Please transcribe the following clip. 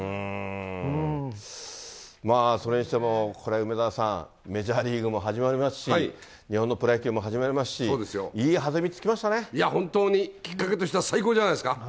まあ、それにしても、これ、梅沢さん、メジャーリーグも始まりますし、日本のプロ野球も始まりますし、いや、本当にきっかけとしては最高じゃないですか。